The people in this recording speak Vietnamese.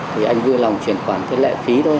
thì anh vui lòng chuyển khoản cái lệ phí thôi